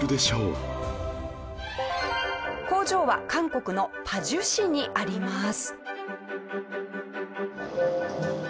工場は韓国の坡州市にあります。